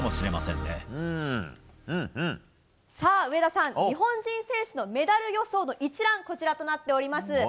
上田さん、日本人選手のメダル予想の一覧はこちらとなっております。